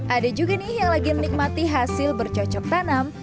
ada juga nih yang lagi menikmati hasil bercocok tanam